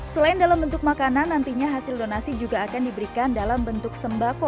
selain dalam bentuk makanan nantinya hasil donasi juga akan diberikan dalam bentuk sembako